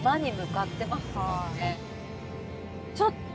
ちょっと。